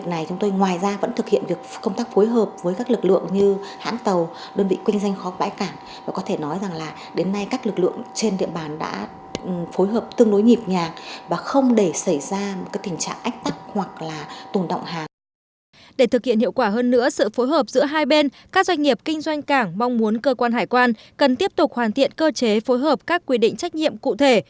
các doanh nghiệp kinh doanh cảng mong muốn cơ quan hải quan cần tiếp tục hoàn thiện cơ chế phối hợp các quy định trách nhiệm cụ thể